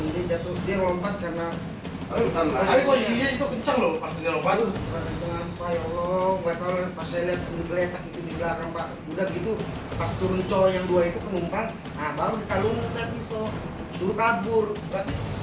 dia lompat karena